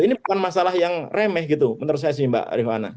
ini bukan masalah yang remeh gitu menurut saya sih mbak rifana